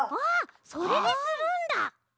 あそれでするんだ！